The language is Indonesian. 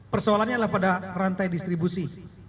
persoalannya adalah pada rantai distribusi